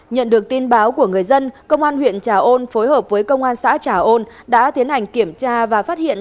nhận được tin báo của người dân công an huyện trà ôn phối hợp với công an xã trà ôn đã tiến hành kiểm tra và phát hiện